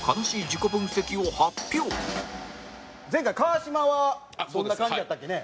その前回川島はどんな感じやったっけね？